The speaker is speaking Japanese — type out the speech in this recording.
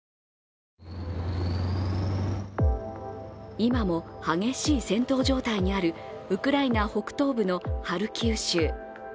今も激しい戦闘状態にあるウクライナ北東部のハルキウ州。